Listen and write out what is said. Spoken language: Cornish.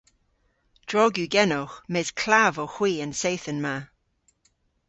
Drog yw genowgh mes klav owgh hwi an seythen ma.